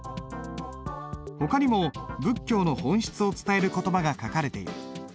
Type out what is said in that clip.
ほかにも仏教の本質を伝える言葉が書かれている。